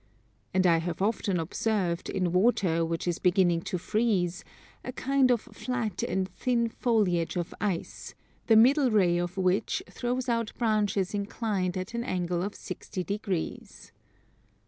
And I have often observed, in water which is beginning to freeze, a kind of flat and thin foliage of ice, the middle ray of which throws out branches inclined at an angle of 60 degrees.